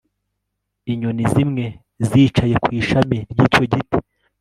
inyoni zimwe zicaye ku ishami ryicyo giti